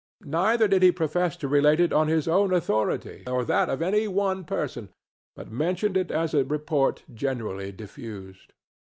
Neither did he profess to relate it on his own authority or that of any one person, but mentioned it as a report generally diffused.